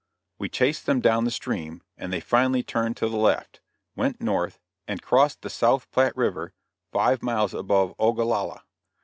We chased them down the stream, and they finally turned to the left, went north, and crossed the South Platte river five miles above Ogallala.